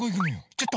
ちょっと！